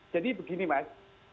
jadi begini mas